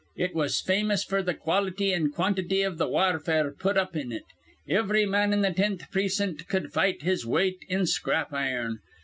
It was famous f'r th' quality an' quantity iv th' warfare put up in it. Ivry man in th' tenth precint cud fight his weight in scrap iron.